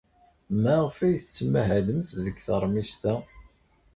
Maɣef ay tettmahalemt deg teṛmist-a?